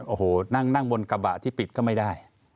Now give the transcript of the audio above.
โอ้โหนั่งบนกระบะที่ปิดก็ไม่ได้